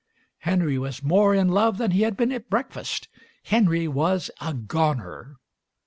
Henry was more in love than he had been at breakfast. Henry was a Goner.